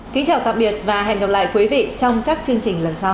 kính chào tạm biệt và hẹn gặp lại quý vị trong các chương trình lần sau